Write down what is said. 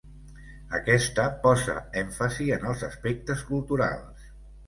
Aquesta posa èmfasi en els aspectes culturals.